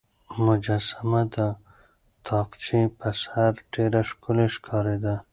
مجسمه د تاقچې په سر ډېره ښکلې ښکارېده.